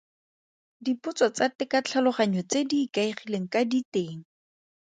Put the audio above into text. Dipotso tsa tekatlhaloganyo tse di ikaegileng ka diteng.